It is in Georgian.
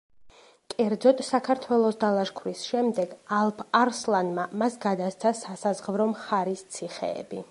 კერძოდ, საქართველოს დალაშქვრის შემდეგ ალფ-არსლანმა მას გადასცა „სასაზღვრო მხარის“ ციხეები.